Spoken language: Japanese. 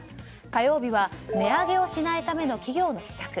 火曜日は、値上げをしないための企業の秘策。